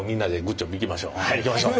はいいきましょう。